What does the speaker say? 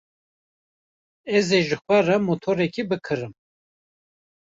Ez ê ji xwe re motorekî bikirim.